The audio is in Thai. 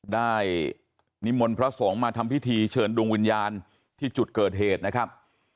นิมนต์พระสงฆ์มาทำพิธีเชิญดวงวิญญาณที่จุดเกิดเหตุนะครับ